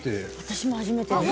私は初めて。